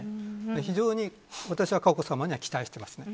非常に、私は佳子さまには期待していますね。